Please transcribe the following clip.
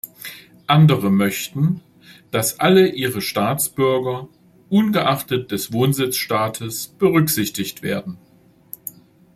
Andere möchten, dass alle ihre Staatsbürger ungeachtet des Wohnsitzstaates berücksichtigt werden.